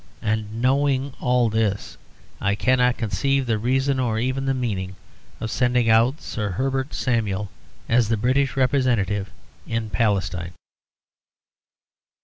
And knowing all this, I cannot conceive the reason, or even the meaning, of sending out Sir Herbert Samuel as the British representative in Palestine.